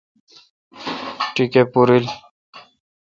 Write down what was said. ٹیکہ پورل ۔